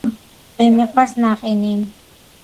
მე მიყვარს ნაყინი